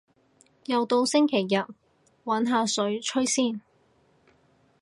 又到星期日，搵下水吹先